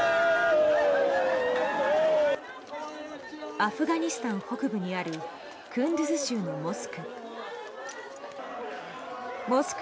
アフガニスタン北部にあるクンドゥズ州のモスク。